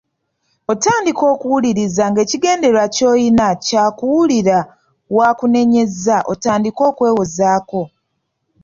Otandika okuwuliriza ng’ekigendererwa ky’olina kyakuwulira w’akunenyeza otandike okwewozaako.